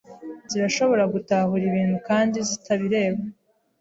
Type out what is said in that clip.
zishobora gutahura ibintu kandi zitabireba,